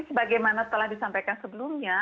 sebagaimana telah disampaikan sebelumnya